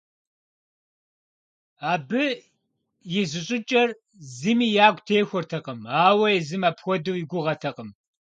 Абы и зыщӏыкӏэр зыми ягу техуэртэкъым, ауэ езым апхуэдэу и гугъэтэкъым.